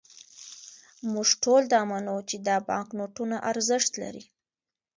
موږ ټول دا منو، چې دا بانکنوټونه ارزښت لري.